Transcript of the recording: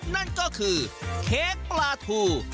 นั่นก็คือเค้กปลาทู